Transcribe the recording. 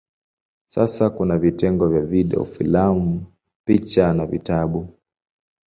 Sasa kuna vitengo vya video, filamu, picha na vitabu.